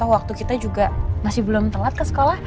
waktu kita juga masih belum telat ke sekolah